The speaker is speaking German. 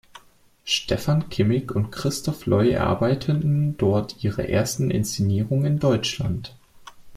Stephan Kimmig und Christof Loy erarbeiteten dort ihre ersten Inszenierungen in Deutschland.